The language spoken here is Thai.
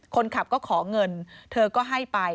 คนขับก็ขอเงินเธอก็ให้ไป